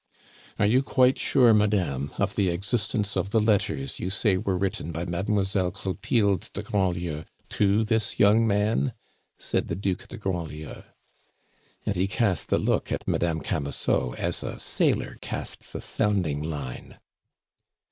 "Are you quite sure, madame, of the existence of the letters you say were written by Mademoiselle Clotilde de Grandlieu to this young man?" said the Duc de Grandlieu. And he cast a look at Madame Camusot as a sailor casts a sounding line.